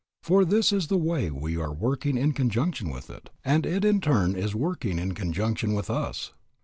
For in this way we are working in conjunction with it, and it in turn is working in conjunction with us.